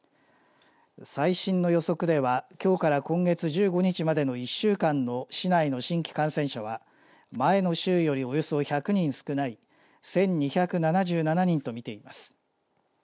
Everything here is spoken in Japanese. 最新の予測ではきょうから今月１５日までの１週間の市内の新規感染者は前の週よりおよそ１００人少ない１２７７人と見ています。